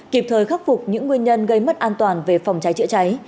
kịp thời khắc phục những nguyên nhân gây mất an toàn về phòng cháy chữa cháy